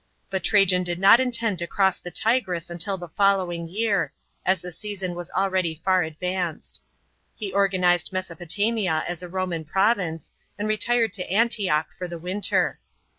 But Trajan did not intend to cross the Tigris until the following year, as the season was already far advanced. He organised Mesopotamia as a Roman province, and retired to Antioch for the winter.